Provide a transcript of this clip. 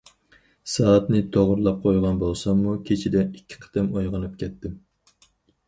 سائەتنى توغرىلاپ قويغان بولساممۇ، كېچىدە ئىككى قېتىم ئويغىنىپ كەتتىم.